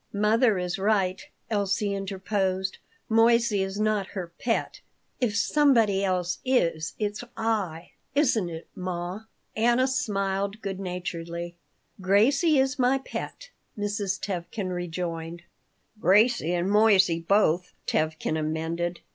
"Mother is right," Elsie interposed. "Moissey is not her pet. lf somebody is, it's I, isn't it, ma?" Anna smiled good naturedly "Gracie is my pet," Mrs. Tevkin rejoined "Gracie and Moissey, both," Tevkin amended.